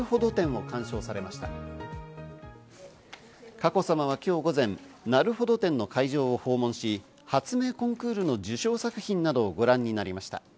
佳子さまは今日午前「なるほど展」の会場を訪問し、発明コンクールの受賞作品などをご覧になりました。